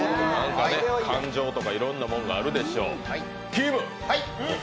感情とかいろんなものがあるでしょう。